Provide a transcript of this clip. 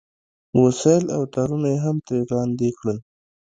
وسایل او تارونه یې هم ترې لاندې کړل